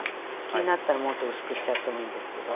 気になったらもっと薄くしちゃってもいいんですけど。